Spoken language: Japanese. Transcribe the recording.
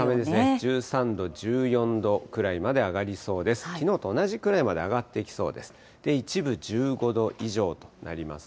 １３度、１４度くらいまで上がりそうです。